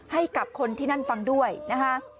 ให้กับคนที่นั่นฟังด้วยนะคะ